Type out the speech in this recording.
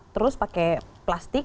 terus pakai plastik